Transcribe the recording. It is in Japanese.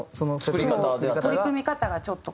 取り組み方がちょっと。